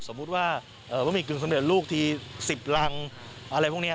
สมมุติว่าบะหมี่กึ่งสำเร็จลูกที๑๐รังอะไรพวกนี้